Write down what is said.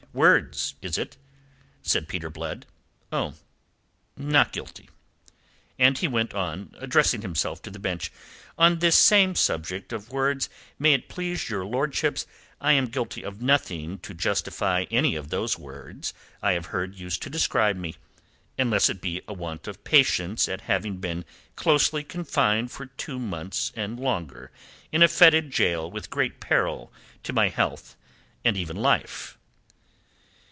"Words, is it?" said Peter Blood. "Oh not guilty." And he went on, addressing himself to the bench. "On this same subject of words, may it please your lordships, I am guilty of nothing to justify any of those words I have heard used to describe me, unless it be of a want of patience at having been closely confined for two months and longer in a foetid gaol with great peril to my health and even life."